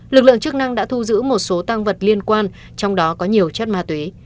lực lượng chức năng đã thu giữ một số tăng vật liên quan trong đó có nhiều chất ma túy